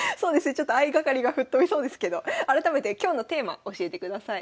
ちょっと相掛かりが吹っ飛びそうですけど改めて今日のテーマ教えてください。